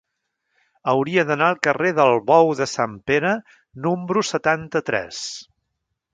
Hauria d'anar al carrer del Bou de Sant Pere número setanta-tres.